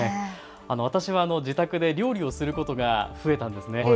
私は自宅で料理をすることが増えたんですね。